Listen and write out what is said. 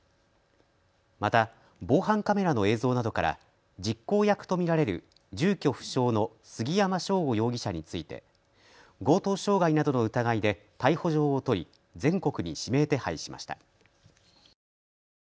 また、防犯カメラの映像などから実行役と見られる住居不詳の杉山翔吾容疑者について強盗傷害などの疑いで逮捕状を取り、全国に指名手配しました。